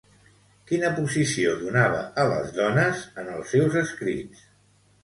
Quina posició donava a les dones en els seus escrits?